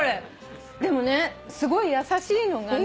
でもねすごい優しいのがね。